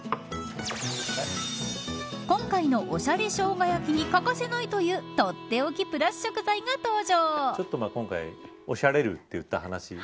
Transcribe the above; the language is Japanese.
今回の、おしゃれしょうが焼きに欠かせないというとっておきプラス食材が登場。